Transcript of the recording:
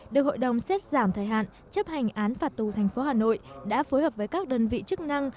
được hội đồng xét giảm thời hạn chấp hành án phạt tù thành phố hà nội đã phối hợp với các đơn vị chức năng